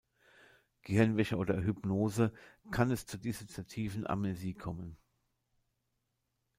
Gehirnwäsche oder Hypnose kann es zur dissoziativen Amnesie kommen.